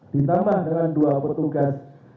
ditambah dengan dua petugas